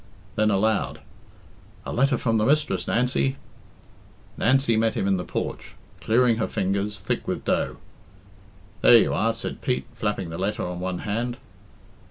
Then aloud, "A letter from the mistress, Nancy." Nancy met him in the porch, clearing her fingers, thick with dough. "There you are," said Pete, flapping the letter on one hand.